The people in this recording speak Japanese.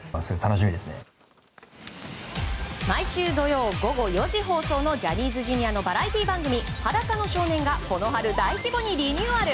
毎週土曜午後４時放送のジャニーズＪｒ．のバラエティー番組「裸の少年」がこの春、大規模にリニューアル。